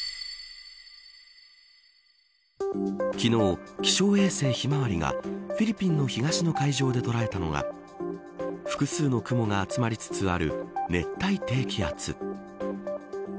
昨日、気象衛星ひまわりがフィリピンの東の海上で捉えたのが複数の雲が集まりつつある熱帯低気圧。